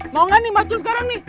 mau gak nih macul sekarang nih